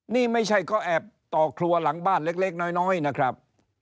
นี่ไม่ใช่ก็แอบต่อครัวหลังบ้านเล็กน้อยนะครับ